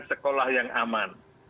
sekolah yang aman